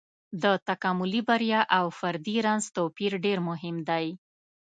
د تکاملي بریا او فردي رنځ توپير ډېر مهم دی.